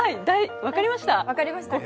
分かりました。